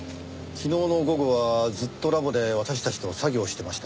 昨日の午後はずっとラボで私たちと作業をしてました。